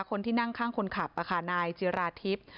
คนที่นั่งข้างคนขับนายจิราทิพย์